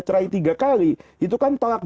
cerai tiga kali itu kan tolak